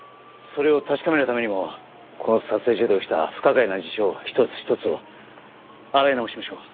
それを確かめるためにもこの撮影所で起きた不可解な事象一つ一つを洗い直しましょう。